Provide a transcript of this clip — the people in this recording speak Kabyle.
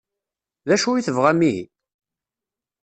D acu i tebɣam ihi?